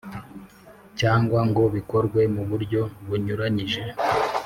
Cyangwa ngo bikorwe mu buryo bunyuranyije